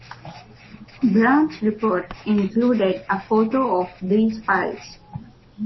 Browne's report included a photo of these files.